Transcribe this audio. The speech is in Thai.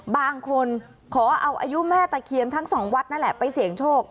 บางคนขอเอาอายุแม่ตะเคียนทั้งสองวัดนั่นแหละไปเสี่ยงโชค